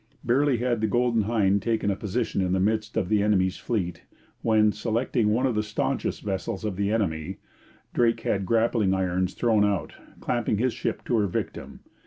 Barely had the Golden Hind taken a position in the midst of the enemy's fleet, when, selecting one of the staunchest vessels of the enemy, Drake had grappling irons thrown out, clamping his ship to her victim.